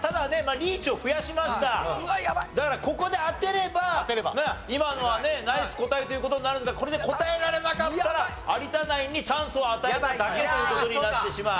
だからここで当てれば今のはねナイス答えという事になるんですがこれで答えられなかったら有田ナインにチャンスを与えただけという事になってしまう。